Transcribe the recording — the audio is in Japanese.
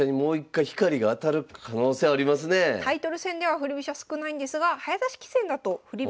これはやっぱタイトル戦では振り飛車少ないんですが早指し棋戦だと振り